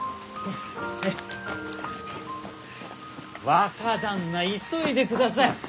若旦那急いでください！